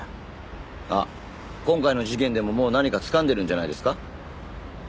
あっ今回の事件でももう何かつかんでるんじゃないですか？